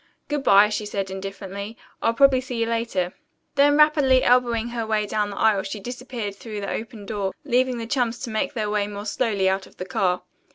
"Good bye," she said indifferently. "I'll probably see you later." Then, rapidly elbowing her way down the aisle she disappeared through the open door, leaving the chums to make their way more slowly out of the car.